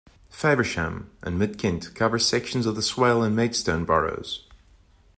Faversham and Mid Kent covers sections of the Swale and Maidstone boroughs.